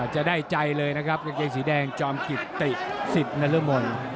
จะได้ใจเลยนะครับกางเกงสีแดงจอมกิตตีสิทธิ์และเรื่องมวย